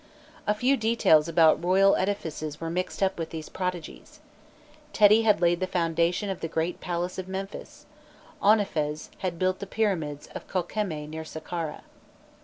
A few details about royal edifices were mixed up with these prodigies. Teti had laid the foundation of the great palace of Memphis, Ouenephes had built the pyramids of Ko komè near Saqqara.